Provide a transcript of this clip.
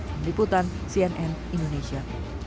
meliputan cnn indonesia